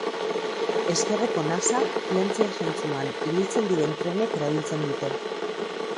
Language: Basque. Ezkerreko nasa Plentzia zentzuan ibiltzen diren trenek erabiltzen dute.